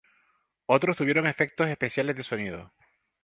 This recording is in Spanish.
Otros tuvieron efectos especiales de sonido.